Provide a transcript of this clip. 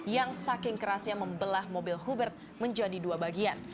yang saking kerasnya membelah mobil hubert menjadi dua bagian